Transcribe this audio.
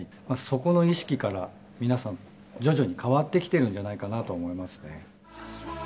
そこの意識から、皆さん、徐々に変わってきてるんじゃないかなと思いますね。